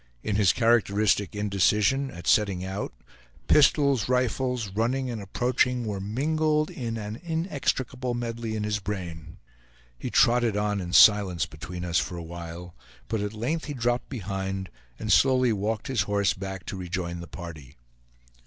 In his characteristic indecision, at setting out, pistols, rifles, "running" and "approaching" were mingled in an inextricable medley in his brain. He trotted on in silence between us for a while; but at length he dropped behind and slowly walked his horse back to rejoin the party.